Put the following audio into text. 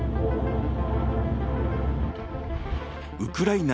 ウクライナ